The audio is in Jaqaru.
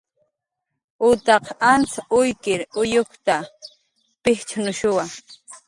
Utaq anz uykir uyukta, pijchnushuwa